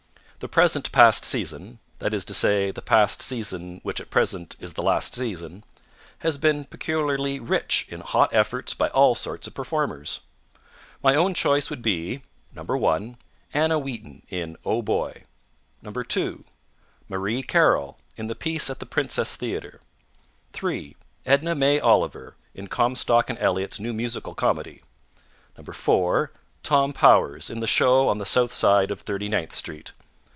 The present past season that is to say, the past season which at present is the last season has been peculiarly rich in hot efforts by all sorts of performers. My own choice would be: 1. Anna Wheaton, in Oh, Boy! 2. Marie Carroll, in the piece at the Princess Theatre. 3. Edna May Oliver, in Comstock and Elliott's new musical comedy. 4. Tom Powers, in the show on the south side of 39th Street.